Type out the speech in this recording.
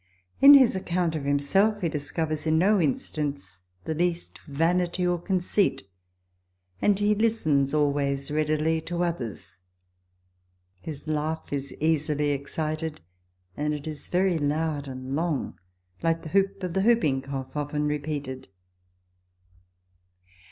In his account of himself he discovers, in no instance, the least vanity or conceit, and he listens always readily to others. His laugh is easily excited, and it is very loud and long, like the whoop of the whooping cough often repeated.